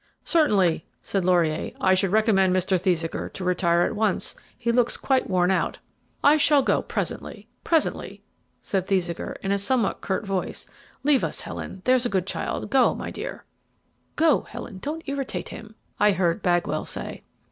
"Certainly," said Laurier. "I should recommend Mr. Thesiger to retire at once; he looks quite worn out." "I shall go presently presently," said Thesiger, in a somewhat curt voice. "Leave us, Helen; there's a good child; go, my dear." "Go, Helen; don't irritate him," I heard Bagwell say.